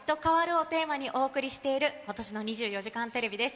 をテーマにお送りしていることしの２４時間テレビです。